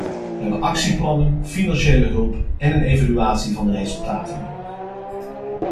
We hebben actieplannen, financiële hulp en een evaluatie van de resultaten nodig.